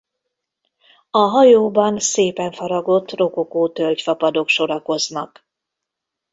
A hajóban szépen faragott rokokó tölgyfa padok sorakoznak.